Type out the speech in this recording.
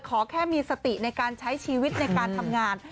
ขอแค่มีสติในการใช้ชีวิตในการทำงาน